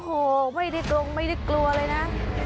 โอ้ไม่ได้กลัวเลยนะ